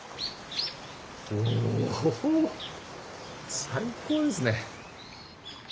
おお最高ですね。